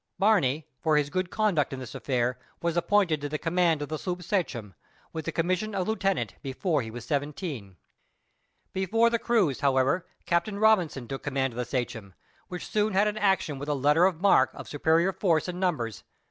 Barney for his good conduct in this affair, was appointed to the command of the sloop Sachem, with the commission of lieutenant before he was seventeen. Before the cruise, however, Captain Robinson took command of the Sachem, which soon had an action with a letter of marque of superior force and numbers.